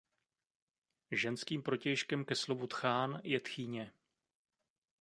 Ženským protějškem ke slovu tchán je tchyně.